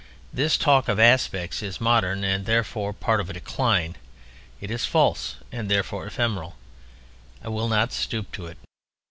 This talk of "aspects" is modern and therefore part of a decline: it is false, and therefore ephemeral: I will not stoop to it.